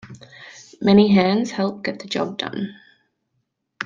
Many hands help get the job done.